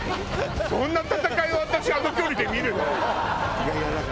そんな戦いを私あの距離で見るの？